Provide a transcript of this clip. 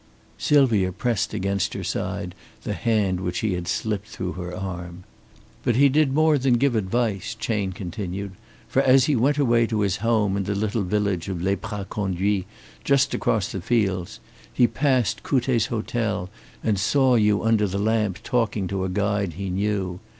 '" Sylvia pressed against her side the hand which he had slipped through her arm. "But he did more than give advice," Chayne continued, "for as he went away to his home in the little village of Les Praz Conduits, just across the fields, he passed Couttet's Hotel and saw you under the lamp talking to a guide he knew.